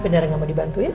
bener gak mau dibantuin